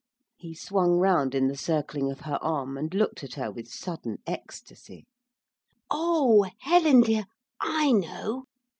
He swung round in the circling of her arm and looked at her with sudden ecstasy. 'Oh, Helen, dear I know!